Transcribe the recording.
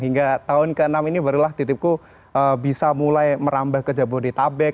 hingga tahun ke enam ini barulah titipku bisa mulai merambah ke jabodetabek